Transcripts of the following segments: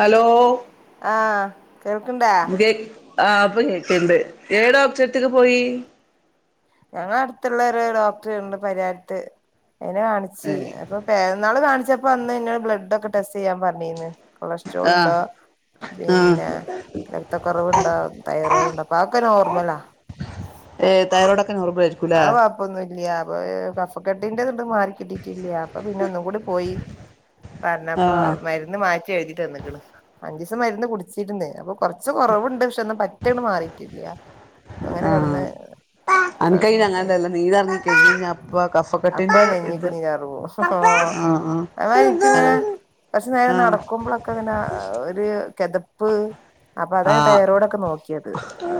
Hello കേൾക്ക്ണ്ടാ ആഹ് ഇപ്പോ കേക്കണ്ട് [unintelligible] പോയി ഞങ്ങ അടുത്തുള്ളൊരു ഡോക്ടർ ഇണ്ട് പരിഹാരത്ത്. അയിനെ കാണിച്ച് ഏ അപ്പോ പേ ഇന്നാള് കാണിച്ചപ്പോൾ അന്ന് എന്നോട് ബ്ലഡ്‌ ഒക്കെ ടെസ്റ്റ് ചെയ്യാൻ പറഞ്ഞീന്ന്. കൊളസ്ട്രോൾ ആ ഉണ്ടോ ആ പിന്നെ രക്തക്കുറവുണ്ടോ തൈറോയിഡ് ഉണ്ടോ അതൊക്കെ നോർമലാ. ഏ തൈറോയ്ഡൊക്കെ നോർമൽ ആയിരിക്കൂലേ? കഫക്കട്ടിന്റത് മാറിക്കിട്ടിട്ടില്ല. അപ്പോ പിന്നെ ഒന്നും കൂടി പോയി. ആ പറഞ്ഞപ്പോ മരുന്ന് മാറ്റി എഴുതി തന്നേക്കണ് മരുന്ന് കുടിച്ചിരുന്നേ അപ്പൊ കൊറച്ച് കുറവുണ്ട്. പക്ഷെ ഒന്ന് പറ്റ അങ്ങട് മാറിട്ടില്ല. അങ്ങനെ കിടന്ന് ക്കൈന് അങ്ങൻല്ലല്ലോ നേരെർങ്ങിക് അപ്പ അപ്പൊ കഫക്കട്ടിന്റെ നെഞ്ഞിക്ക് ഇത് നീരാറ് പോവും ആ ആഹ് അതേമാതിരി എനിക്കിങ്ങനെ കുറച്ചു ആ നേരം ആ കെത പ്പ് അപ്പൊ ആ അതാണ് തൈയ്റൊയ്ടൊക്കെ നോക്കിയത്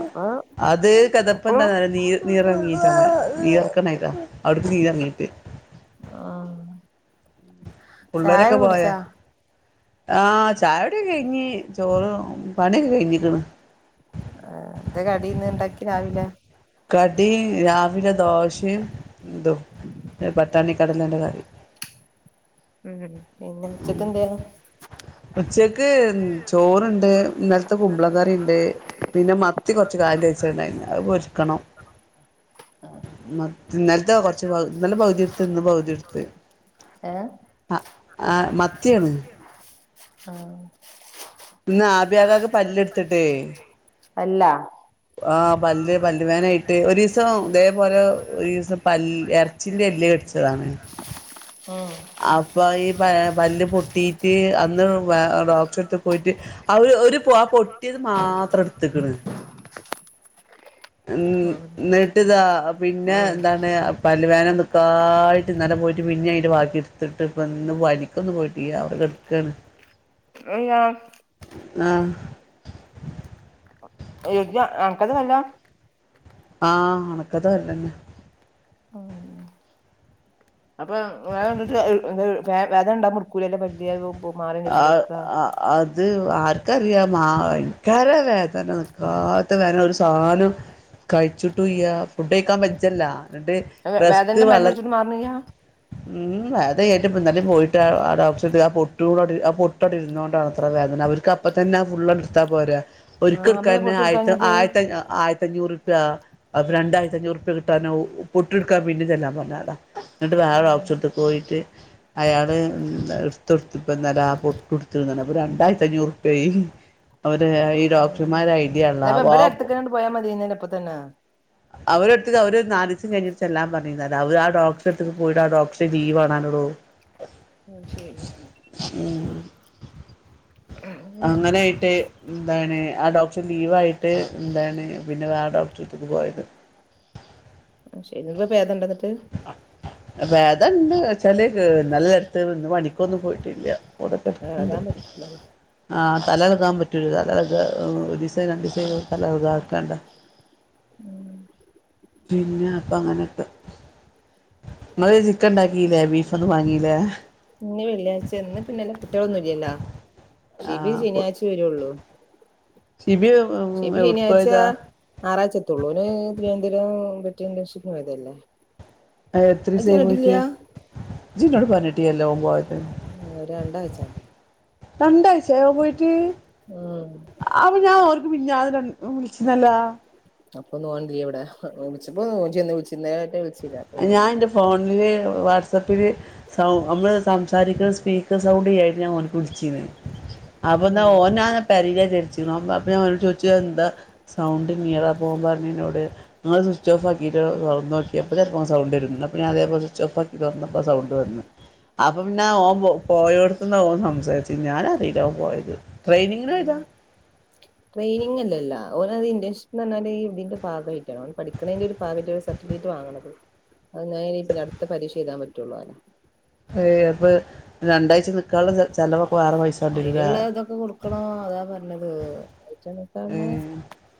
അപ്പൊ അത് അപ്പൊ വിയർക്കാനായിട്ടാ അവിട്ക്ക് നീർ ഇറങ്ങിയിട്ട് ആഹ് ചായ കുടിച്ചാ? ആഹ് ചായടിയൊക്കെ കഴിഞ് ചോറ് പണിയൊക്കെ കഴിഞ്ഞിക്ണ് ആ എന്താ കടിന്ന് ണ്ടാക്കി രാവിലെ? കടി രാവിലെ ദോശയും ദും പട്ടാണി കടലേന്റെ കറിയും ഉം പിന്നെ ഉച്ചക്ക് എന്തായിരുന്നു ഉച്ചക്ക് ചോറുണ്ട് ഇന്നലത്തെ കുമ്പള കറി ഉണ്ട് പിന്നെ മത്തി കുറച്ച് കാലി വെച്ചതുണ്ടായി അത് പൊരിക്കണം മത്തി ഇന്നല ഇത കുറച്ച് പ ഇന്നലെ പകുതി എടുത്ത് ഇന്ന് പകുതി എടുത്ത് ഏ മ മത്തിയാണ് ആ ഇന്ന് ആബി കാക്കക് പല്ല് എടുത്തിട്ടേ പല്ലാ ആ പല്ല് പല്ല് വേനായിട്ട് ഒരു ദിവസം ഇതേപോലെ ഒരു ദിവസം പല്ല് ഇറച്ചിന്റെ എല്ലു കടിച്ചതാണ് ഉം അപ്പൊ ഈ പ പല്ല് പൊട്ടിയിട്ട് അന്ന് ഡോക്ടരടുത്തു പോയിട്ട് ആ ഒരു ഒരു പൊ ആ പൊട്ടിയത് മാത്രം എടുത്ത്ക്കണ് ഉം എന്നിട്ടിതാ പിന്നെ ഉം എന്താണ് പല്ലു വേദന നിക്കായിട്ട് ഇന്നലെ പോയിട്ട് പിന്ന അതിന്റെ ബാക്കി എടുത്തിട്ട് ഇപ്പ ഇന്ന് പണിക്കൊന്നന്ന് പോയി അവിടെ കെടക്കേണ് ആ [unintelligible] അക്കത് വല്ല ആഹ് അണക്കത് പല്ലന്നെ ഉം അപ്പൊ വേദനണ്ടിട്ട് വേ വേധന ഉണ്ടാ ഇടുക്കൂലല്ല വലിയ പോകുമ്പ ആ ആ അ [unintelligible] അത് ആർക്കറിയാം മാ ഭയങ്കര വേദന നിക്കാത്ത വേദന ഒരു സാധനം കഴിച്ചിട്ട്ല്ല ഫുഡ് കഴിക്കാൻ വെച്ചല്ലോ വേദനന്റെ മരുന്ന് കുടിചിട്ട് മാറണില്ലാ ഉം അത് കയിഞ്ഞിട്ട് ഇപ്പ ഇന്നലെ പോയിട്ട് ആട ഡോക്ടറുടുത്ത് അപ്പൊ ആ പൊട്ടവിടെ ഇരുന്നൊണ്ടാണത്രേ വേദന അവർക്ക് അപ്പ തന്നെ ആ ഫുള്ള് അങ്ങട് എടുത്താ പോരെ ആഹ് ഒരിക്കൽക്ക അപ്പൊ തന്നെ പൊട്ട് ആയിര കൊടുക്കാഞ്ഞത് ആയിരത്തി ആയിരത്തി അഞ്ഞൂറ് രണ്ടായിരത്തി അഞ്ഞൂറ്പ്യ കിട്ടാനോ പൊട്ടെടുക്കൻ പിന്നീതല്ലാം പറഞ്ഞതാ എന്നിട്ട് വേറെ ഓഫ്സ എടുത്ത പോയിട്ട് അയാള് [unintelligible] ഇപ്പ നല്ല പൊട്ട് എടുത്തി രണ്ടായിരത്തി അഞ്ഞൂറുപ അവര് ഈ ആഹ് ഡോക്ടർമാര് ഐഡിയ അള്ള അപ്പൊ ത്തന്ന അവരുടുത്ത്ക്ക് അവര് നാലിസം കഴിഞ്ഞി എല്ലാം പറുന്ന അവര് ആ ഡോക്ടറെടുത്തക്ക് പോയിട്ട് ആ ഡോക്ടറെ ലീവ് കാണാനുള്ളൂ ആശരി അങ്ങനൊയിട്ട് എന്താണ് ആഹ് ഡോക്ടർ ലീവ് ആയിട്ട് എന്താണ് പിന്നെ വേറെ ഡോക്ടറട്ടക്ക് പോയത് ആഹ് ശരി പേദണ്ട [unintelligible] വേദണ്ട് വച്ചാല് നല്ലായിടത്ത്ന്ന് മണിക്കൊന്നും പോയിട്ടില്ല എളകാൻ പറ്റൂല [unintelligible] ആ തലകളക്കാൻ പറ്റൂല്ല തലകളക്ക് ഡിസൈൻ രണ്ട് ഡിസൈന തലകളക ആക്കേണ്ട ഉം പിന്ന അപ്പ അങ്ങനെയൊക്കെ നമ്മള് ചിക്കൻ ഉണ്ടാക്കില്ലേ ബീഫൊന്നും വാങ്ങീല്ലേ? അല്ല ഷിബി ആഹ് ശനിയാഴ്ച വരുള്ളൂ ഷിബി ഷബി ശനിയാഴ്ച്ച എവിടക്കോയതാ ആറാഴ്ച എത്തുള്ളൂന് തിരുനന്തോപരം [unintelligible] ഷി ഇതല്ലേ എത്ര സ പോയിട്ട് ജന്നോട് പറഞ്ഞിട്ട് എല്ല പോ ആഹ് രണ്ടാഴ്ച രണ്ടായി [unintelligible] ഉം അപ്പൊ ഞാൻ ഓര് മിഞ്ഞാന്ന് നെ വിള്ച്ചീന്നല്ലാ. [unintelligible] ഞാൻ ഓൻ ഇന്റെ ഇല്ല ഫോണില് വാട്സ് സപ്പില് സൗ നമ്മൾ സംസാരിക്ണ സ്പീക്കർ സൗണ്ട് ചെയ്യായിട്ട് ഞാൻ ഓന്ക്ക് വിളിച്ചീന്ന്. അപ്പൊന്നാ ഉം ഓനാ പെരീല് ച്ച്ണോൻ അപ്പം ഞാനോനോട് ചോയ്ച് എന്താ സൗ ത് നീറാ പോ പർഞ്ഞ്ന്നോട് നിങ്ങൾ സ്വിച്ച് ഓഫ് ആക്കിട്ട് തൊർന്നോക്കിയൊ. ഇപ്പ ചിലപ്പോ ആ സൗണ്ട് വര്ണ്ട്. അപ്പം ഞാൻ ഇതേപോലെ സ്വിച്ച് ഓഫ് ആക്കി തൊർന്നപ്പോ സൗണ്ട് വന്ന്. അപ്പം പിന്നെ ഓൻ പോയടുത്ത്ന്ന് ഓന് സംസാരിച്ച് ഞാനറീല്ല ഓൻ പോയത്. ട്രെയിനിങ്ങിന് പോയതാ ട്രെയിനിങ് അല്ലല്ലാ അവഓന അത് ഇന്റേൻഷിപ്പ് എ പറഞ്ഞല് ഇടിന്റെ പാകമായിട്ടാണ് ഓൻ പഠിക്കണേന്റെ ഒരു പാമായി സർട്ടിഫിക്കറ്റ് വാങ്ങണത് അത് ഞെടു പരീക്ഷ എഴതാൻ പറ്റുവുള്ളൂ അല്ലോ ഏ അപ്പൊ രണ്ടാഴ്ച നിക്കാനുള്ള ചെ ചെലവൊക്കെ വേറെ പൈസ വാണ്ടിവരൂലേ അയിനുള്ള ഇതൊക്കെ കൊടുക്കണോ അതാ പറഞ്ഞത് റ്റ നക്ക ഉം [unintelligible]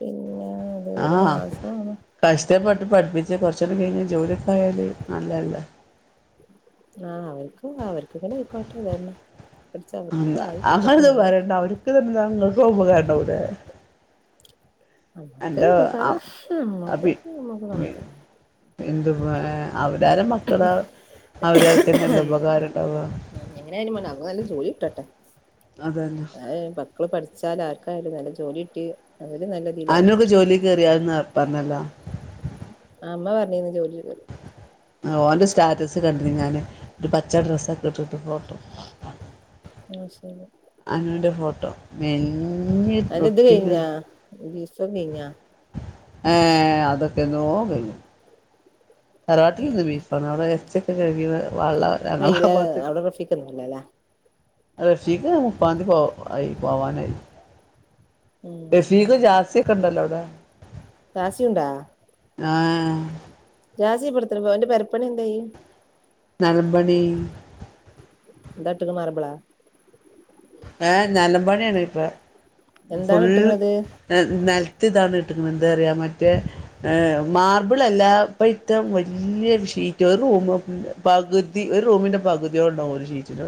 പിന്നെ അത് ഒരു മാസമാണ് പഠിപ്പി കൊറച്ച കഴ ജോലി കായല് നല്ലല്ല ആ അവർക്ക് അവർക്ക ഇങ്ങനെ ആയിക്കോട്ടെ അതന്നെ പഠിച്ച അവർക്ക് ആയി കിട്ടട്ടെ അങ്ങനെന്ത എന്നാല് പറയണ്ട അവർക്ക് തന്നെ നിങ്ങൾക്ക് ഉപകാരം ആവൂല്ലേ നമ്മുക്ക് ഉപകാരം പക്ഷേ നമ്മക്ക് നമ്മുക്ക് കണക്ന്നെ [unintelligible] എതു പറ അവരാര മക്കള് അവരർക്ക്ന്നെല്ല ഉപകാരം ഉണ്ടത എങ്ങനെയായാലും വേണം അവർക്ക് നല്ല ജോലി കിട്ടട്ടെ അതന്ന മക്കള് പഠിച്ചാലൽ ആർക്കായാലും നല്ല ജോലി കിട്ട ആനൊക്ക് ജോലി കയറിയന്ന് പറഞ്ഞല്ലാ ആ അമ്മ പറഞ്ഞിന്ന് ജോലിോ ഓന്റെ സ്റ്റാറ്റസ് കണ്ടു ഞാൻ ഒരു പച്ച ഡ്രസ്സൊക്കെ ഇട്ടിട്ട് ഫോട്ടോ ആ ശരി അനുന്റെ ഫോട്ടോ മ അ എത് കഴിഞ്ഞാ സഖയാ ഏ അതൊക്കെ നോക്ക തറവട്ടി ബീഫാണ് അവിടെ ഇ വ അയില്ല അവിടെ റഫിക്കുന്നല്ലേ അല്ലേ റഷിക്ക് മുപ്പാന്തി പോ ആയി പോവാനായി ഉം റെഷിദ് ജാസിക്കെണ്ടല്ലോഅവിട വ ജാസ്യുണ്ടാ ആ രാസീപ്പെടുത്തണം അവന്റെ പെപ്പണി എന്തായി നൽബണി തട്ടക്ക മറബള ഏ നേലംമ്പാണിയാണ് ഇപ്പൊ എന്താണ് ഫുൾ ഇട്ട്ക്ക്ണത് നൽ ഇതാണ് കിട്ടുന്നത് എന്താ പറയാ മറ്റേ മാർബിൾ അല്ലപ്പ ഇത്തം വലിയ ഷീറ്റ് ഒരു റൂമ പകുതി ഒരു റൂമിന്റെ പകുതിയോ ഉണ്ടാവും ഒരു ഷീറ്റിന്റെ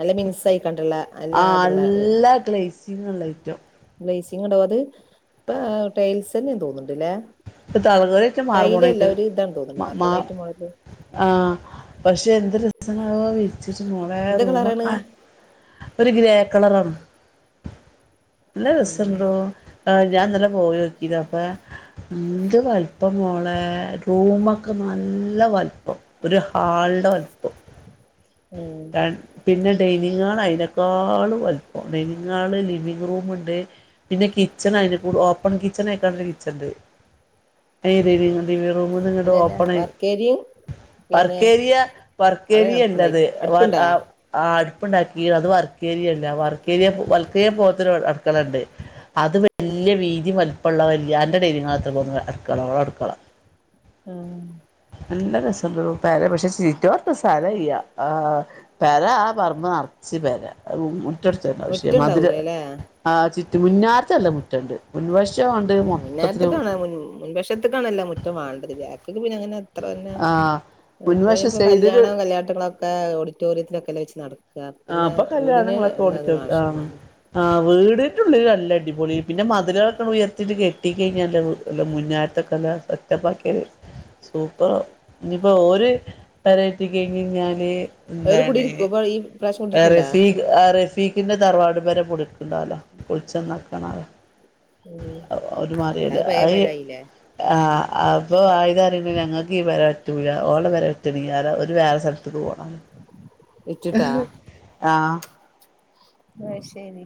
അല്ല മിസ്സായി ആ നല്ല ഗ്ലാസ് സിങ്ങ ഐറ്റം ലൈസിങ്ങട അത് ആ ടൈൽസ് തന്നെയാ തോന്നുണ്ടല്ലേ ഇ തലകറിയിട്ട് മാർ പോണേട്ട് തോന്നുന്നു മാ മാർബോണൈറ്റ് മോഡല് ആ പഷ് ചെന്ദ് രസമാ വെച്ചിച്ച് മോളെ എന്ത് റൂമ് കളറാണ് ആഹ് ഒരു ഗ്രേ കളറാണോ നല്ല ഉം രസണ്ടോ ആ ഞാൻ ഇന്നലെ പോയിനോക്കിയത അപ്പ എന്ത് വലുപ്പം മോളെ റൂമൊക്കെ നല്ല വലുപ്പം ഒരു ഹാൾടെ വലുപ്പം ഉം [unintelligible] പിന്നെ ഡൈലി അയിനേക്കാളും വലുപ്പാ ലിവിംഗ്ഹാള് ലിവിംഗ്‌റൂമുണ്ട് പിന്നെ കിച്ചണ് അയിൻ്റെകൂടെ ഓപ്പണ് കിച്ചണായിട്ടാണല്ലോ വിച്ചത് [unintelligible] റൂമ് നിങ്ങടെ അല്ലല്ല ഓപ്പണായി വർക്കേരിയും പിന്നെ വർക്കേരിയ അവിടെ വർക്കേരിയ അടുപ്പുണ്ടായി അല്ലത് ആഹ് അടുപ്പുണ്ടാ ആ ആ അടുപ്പുണ്ടാക്കി അത് വർക്കേരിയല്ല വർക്കേരിയ വലത്തെ പോവത്തൊരു അടുക്കള ഉണ്ട് അത് വല്യ വീതി വലും ഇപ്പൊള്ള വല്യാന്റെ [unintelligible] അത്ര [unintelligible] അടുക്കളോട് അടുക്കള ഉം നല്ല രസോണ്ടണ്ടോ പാരെ പക്ഷെ സീറ്റോത്ത സ്ഥലം ഇയ്യ ആ പെരാ ആ പറമ്പ് നറച്ച് പെരാ റൂമു റ്റടുത്തയാട്ടോ പക്ഷെ മധുര മുറ്റണ്ടാവൂലല്ലേ ആച് മുന്നാത്തല്ല മുറ്റുണ്ട് മുൻവഷ് മുന്നേരത്തക്കാണ് മുൻ മുൻവശത്തേക്കണല്ലോ മുറ്റോം വാണ്ടത് വ്യ ഇത് പിന്നെ അങ്ങനെ എത്ര തന്നെ ആ ഇപ്പ മുൻവശം ഇപ്പോ സൈഡില് കല്യാണോം കല്യാട്ടങ്ങളൊക്കെ ഓടിറ്റോറിയത്തിലൊക്കൊല്ലേ വെച്ച് നട ആ അപ്പ കല്യാണങ്ങളൊക്കെ ഓടുറ്റോറി ആണ് വാശില്ലല്ലോ ആഹ് വീട് ൻ്റുള്ളിലല്ല അടിപൊളി പിന്നെ മധരളൊക്കെ ഉയർത്തിട്ട് കെട്ടിക്കഴിഞ്ഞാല് മുഞ്ഞാടെത്തൊക്കെ അല്ല സെറ്റപ്പാക്കിയാലെ സൂപ്പറാവും ഇനിയിപ്പോ ഒരു വെറൈറ്റിക്കങ്ങ് ഞാന് അവര് കൂടി ഇരിക്കോ അപ്പൊ ഈ പ്രാവശ്യം കുടിരിക്ക്ണ്ടാ രസിക് അ രസ് പീക്കിൻ്റെ തറവാട് പെര പൊളിച്ചിണ്ടാവല്ലോ പൊളിച്ചന്നാക്കണോ ഉം അവര് മാറിയേല്ല അല്ലാത് പഴയ അയ് പെരായില്ലേ ആ അപ്പൊ ആയതറിമ്പൊ ഞങ്ങക്കീ പെര പറ്റൂല ഓളെ പെരവിറ്റണ് ആര ഒരു വേറെ സ്ഥലത്ത്ന്ന് പോണം ഇട്ടിട്ടാ ആ അയ്ശരി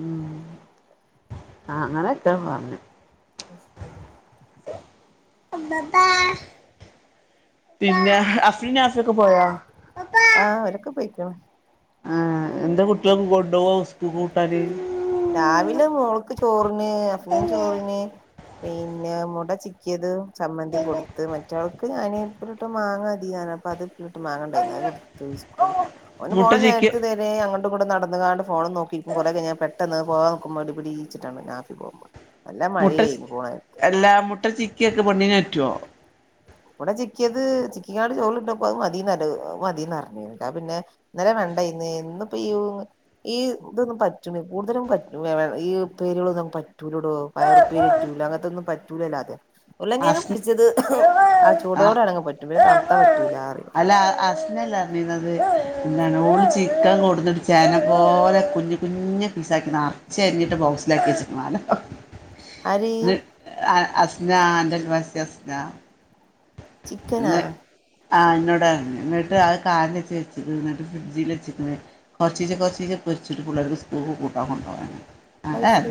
മം അങ്ങനെക്കാ പറഞ്ഞു [unintelligible] ബബ പിന്നെ അഫ്രൻ ആഹ് ഒരൊക്കെ പോയി ആ എന്റെ കുട്ടിക ഗൊഡ സ് കൂട്ടാല് രാവിലെ മോള്ക്ക് ചോറിന് ആഫ്റ്റർനൂണ് ചോറിന് പിന്നെ മുട ചിക്കിയത് സമ്മന്തി കൊടുത്ത് മറ്റാൾക്ക് ഞാനപ്പോഴട്ടും വാങ്ങാ മതിയാണ് അപ്പ അത് ട്ട് മാങ്ങണ്ടായി കൊടുത്ത് സ് ഓന് പോ മുട്ട ചിക്കി നേരത്ത് തരെ അങ്ങോട്ടും കൂടെ നട അങ്ങാണ്ട് ഫോൺ നോക്കിയിരിക്കും കുറകഴിഞ്ഞ പെട്ട ട്ടെന്ന് പോവാനിക്കുമ്പോ അടിപടീച്ചിട്ടാണ് ഞാഫി പോഹ്മ്പൊ മുട്ട ച് എല്ലാ മുട്ട ചിക്കിയൊക്കെ പൊണ്ണിന റ്റോ ഇവടെ ചിക്കിയത് ചിക്കിങ്ങാണ്ട് ചോറ്ല്ട്ടപ്പോ അഹ് മതിന്നല്ലഹ് മതിന്നർഞ് ട്ടാ പിന്നെ ന്നലെ വെണ്ടെയ്‌ന്ന്. ഇന്നിപ്പോ ഈ ഈ ഇതൊന്നും പറ്റ്ണ് കൂടുതലും പ ഈ പേരൊളൊന്ന് പ റ്റൂലടോ പയറുപ്പേര്റ്റൂല അങ്ങൻത്തൊന്നും പറ്റ് റ്റൂല ല്ലാതെ ഉല്ലങ്ങേങ് പിച്ചത് ആ പറ്റൂലാ പറയും അല്ല അസ്നല്ല ർന്നീന്നെത് പിന്നെ നൂറ് ചിക്കൻ കൊടുന്നിട്ട് ചേനെ പോലെ കുഞ് കുഞ് പീസാക്കി ന്നർച്ചരിഞ്ഞിട്ട് ബോക്സിലാക്കി വെച്ച്ക്ക ആര് [unintelligible] അ അസ് ഞാൻ [unintelligible] ചിക്കനാ ആ എന്നോട എന്നിട്ട് അത് കാറില് [unintelligible] എന്നിട്ട് ഫ്രിഡ്ജിൽ വച്ചിക്കിണ്. കൊറച്ചീച്ചേ കൊറച്ചീച്ചേ പൊരിച്ചിട്ട് പിള്ളേർക്ക് സ്കൂളില് കൂട്ടാൻ കൊണ്ടോകാനാ അത് ശരി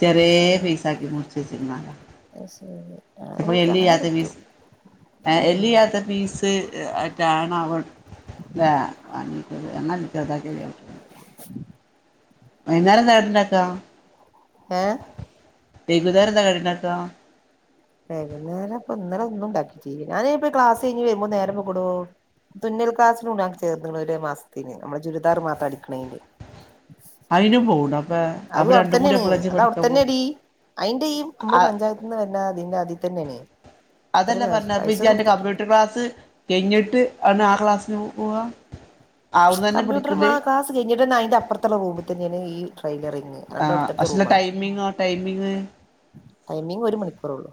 ചെറേയ പീസാക്കി മുറിച്ച് വെച്ചിരുന്നാല അത് ശരി ആ ചെലപ്പോ ഈ പൊരിച്ച അങ്ങനെ എല്ലില്ലാത്ത പറ്റും പീസ് ആ ഉം എല്ലില്ലാത്ത പീസ് ആയിട്ടാണ് അവൻ [unintelligible] വൈന്നേരം എന്താ അവിടിണ്ടാക്കാ? ഏഹ് വെയ്കുന്നേരം എന്താ കടീണ്ടാക്ക? വൈകുന്നേരം ഇപ്പൊ ഇന്നലെ ഒന്നും ഉണ്ടാക്കിട്ടീല്ല. ഞാന് ഇപ്പ ക്ലാസ് കഴിഞ്ഞ് വരുമ്പോ നേരം വയ്കൂടോ. തുന്നൽ ക്ലാസ്സിനു ഞാൻ ചേർന്നേക്കണു ഒരേ മാസത്തിന് നമ്മുടെ ചുരിദാർ മാത്രം അടിക്കണേന്റെ അയിനും പോവുന്നോ അതും അവിടെത്തന്നെയാണ് അത് അവിടെ തന്നേടി അയിന്റെ ഈ നമ്മള് പോവാ പഞ്ചായത്തിന്ന് വരണ അതിന്റെ അതീ തന്നെയേണ്. അതല്ല പറഞ്ഞ വിജ്ജന്റെ കമ്പ്യൂട്ടർ ക്ലാസ് കെഴിഞ്ഞിട്ട് ആണ് ആ ക്ലാസ് സിനു പോവാ അവിടുന്ന് തന്നെ കമ്പ്യൂട്ടർ പഠിക്കല് ആ ക്ലാസ് കഴിഞ്ഞിട്ട് അയിന്റെ അപ്പറത്തുള്ള റൂമിൽ തന്നെയാണ് ഈ ടൈലറിങ്ങ് ആ രണ്ട അടുത്തടുത്ത പക്ഷെല്ല റൂമളാ ടൈമിങ്ങോ ടൈമിങ് ടൈമിങ് ഒരു മണിക്കൂറള്ളു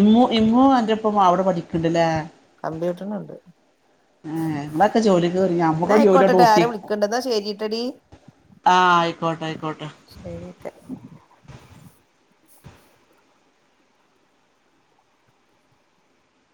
ഇമ്മു ഇമ്മൂ അന്റെ ഒപ്പം അവിടെ പഠിക്ക്ണ്ടല്ലേ കമ്പ്യൂട്ടറിനണ്ട് ഏ നിങ്ങളൊക്കെ ജോലിക്ക് കേറി എന്നാ ഞമ്മക്കൊരു ജോലിയാട്ട് ആയിക്കോട്ടെ ആര നോക്കി വിളിക്കണ്ട് എന്നാ ശരിട്ടടി ആ ആയിക്കോട്ടെ ആയിക്കോട്ടെ